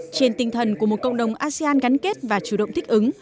trên tinh thần của một cộng đồng asean gắn kết và chủ động thích ứng